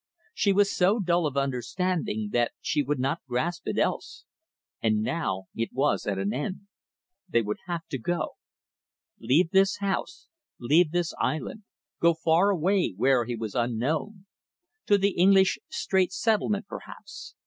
She was so dull of understanding that she would not grasp it else. And now it was at an end. They would have to go. Leave this house, leave this island, go far away where he was unknown. To the English Strait Settlements perhaps.